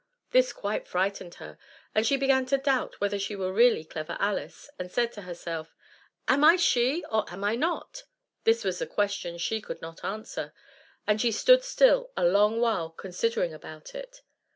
This quite frightened her, and she began to doubt whether she were really Clever Alice, and said to herself, "Am I she, or am I not?" This was a question she could not answer, and she stood still a long while considering about it.